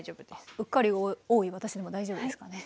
うっかり多い私でも大丈夫ですかね？